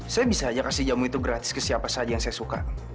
saya bisa aja kasih jamu itu gratis ke siapa saja yang saya suka